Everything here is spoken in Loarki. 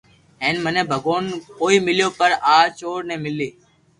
ھين مني ڀگوان ڪوئي مليو پر آ چور ني ملي